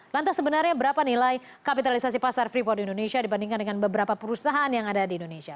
lantas sebenarnya berapa nilai kapitalisasi pasar freeport di indonesia dibandingkan dengan beberapa perusahaan yang ada di indonesia